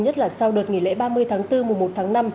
nhất là sau đợt nghỉ lễ ba mươi tháng bốn mùa một tháng năm